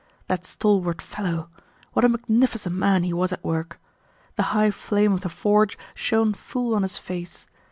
That stalwart fellow! What a magnificent man he was at work. The high flame of the forge shone full on his face.